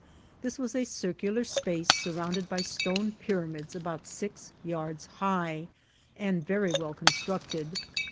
This was a circular space surrounded by stone pyramids about six yards high, and very well constructed.